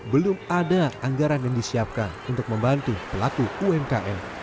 belum ada anggaran yang disiapkan untuk membantu pelaku umkm